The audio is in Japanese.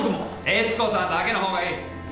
悦子さんだけの方がいい。